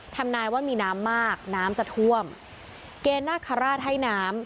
ทำนายว่ามีน้ำมากน้ำจะท่วมเกณฑ์นาคาราชให้น้ำ